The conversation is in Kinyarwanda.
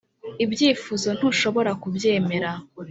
ibyifuzo ntushobora kubyemera